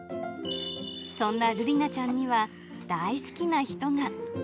そんなるりなちゃんには、大好きな人が。